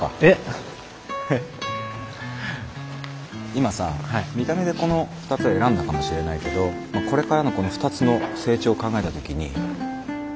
今さ見た目でこの２つは選んだかもしれないけどこれからのこの２つの成長を考えた時にバランスどう？